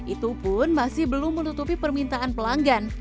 itu pun masih belum menutupi permintaan pelanggan